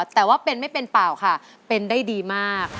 แต่ว่าเป็นไม่เป็นเปล่าค่ะเป็นได้ดีมาก